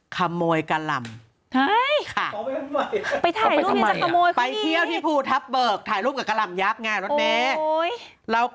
ขโมยกะหล่ำไปเที่ยวที่ภูทับเบิกถ่ายรูปกับกะหล่ำยักษ์ไงรถเมย์